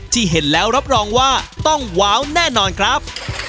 ที่เห็นแล้วรับรองว่าต้องว้าวแน่นอนครับ